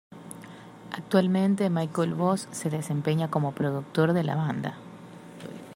Actualmente Michael Voss se desempeña como productor de la banda.